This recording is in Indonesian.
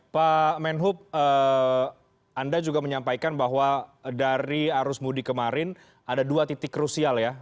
pak menhub anda juga menyampaikan bahwa dari arus mudik kemarin ada dua titik krusial ya